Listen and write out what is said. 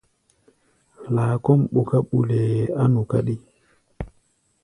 Laa kɔ́ʼm ɓuká mbulɛɛ á nu káɗí.